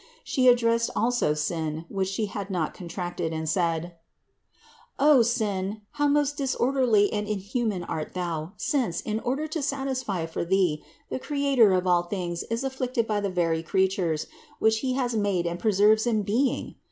She addressed also sin, which She had not contracted, and said : "O sin, how most disorderly and inhuman art thou, since, in order to satisfy for thee, the Creator of all things is afflicted by the very creatures, which He has made and preserves in being!